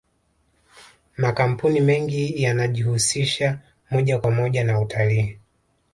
makampuni mengi yanajihusisha moja kwa moja na utalii